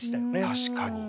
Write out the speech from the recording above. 確かに。